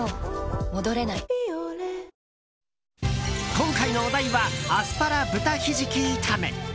今回のお題はアスパラ豚ヒジキ炒め。